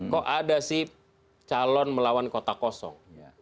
kok ada sih calon melawan kota kosong